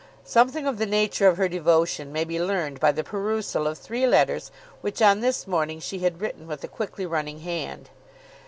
Something of the nature of her devotion may be learned by the perusal of three letters which on this morning she had written with a quickly running hand.